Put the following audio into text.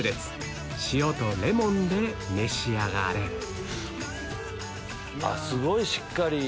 塩とレモンで召し上がれあっすごいしっかり。